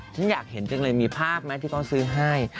ฉันอยากเห็นจังเลยมีภาพไหมที่เขาซื้อให้